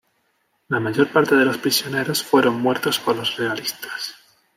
La mayor parte de los prisioneros fueron muertos por los realistas.